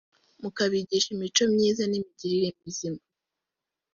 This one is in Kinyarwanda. mukabigisha imico myiza n’imigirire mizima